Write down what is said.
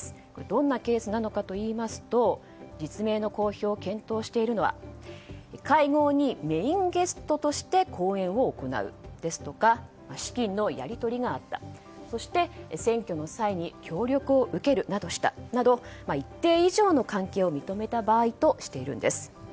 どんなケースなのかといいますと実名の公表を検討しているのは会合にメインゲストとして講演を行うですとか資金のやり取りがあったそして選挙の際に協力を受けるなどしたなど一定以上の関係を認めた場合としているんです。